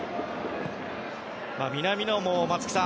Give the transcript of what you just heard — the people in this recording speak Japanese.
南野も松木さん